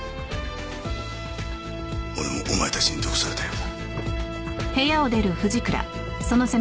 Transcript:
俺もお前たちに毒されたようだ。